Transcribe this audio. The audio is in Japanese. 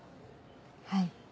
はい。